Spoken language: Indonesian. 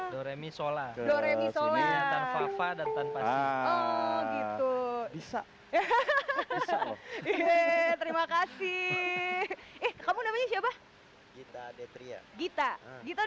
doremi shola shola dan fava dan pasir bisa terima kasih eh kamu namanya siapa gita gita gita udah